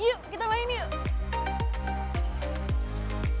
yuk kita main yuk